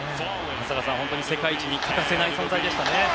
松坂さん、世界一に欠かせない存在でしたね。